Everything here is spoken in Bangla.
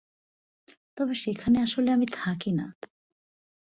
তবে সেখানে আসলে আমি থাকি না।